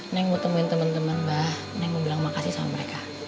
neng mau temuin temen temen mbah neng mau bilang makasih sama mereka